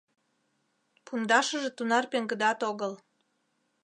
Пундашыже тунар пеҥгыдат огыл.